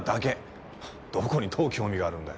どこにどう興味があるんだよ。